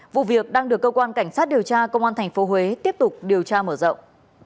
vụ việc đang được cơ quan cảnh sát điều tra công an tp huế tiếp tục điều tra mở rộng